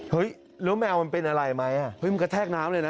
เฮ้ยแล้วแมวมันเป็นอะไรไหมอ่ะเฮ้ยมันกระแทกน้ำเลยนะ